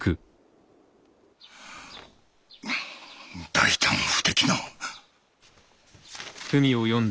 大胆不敵な。